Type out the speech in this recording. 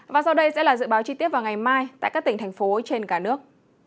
và sau đây sẽ là dự báo chi tiết vào ngày mai tại các tỉnh thành phố trên cả nước